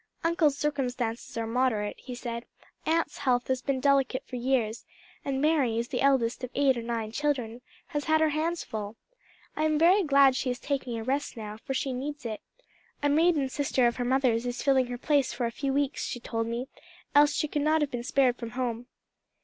Uncle's circumstances are moderate," he said; "Aunt's health has been delicate for years, and Mary, as the eldest of eight or nine children, has had her hands full. I am very glad she is taking a rest now, for she needs it. A maiden sister of her mother's is filling her place for a few weeks, she told me: else she could not have been spared from home."